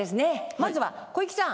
まずは小ゆきさん